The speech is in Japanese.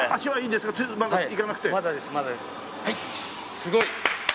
すごい！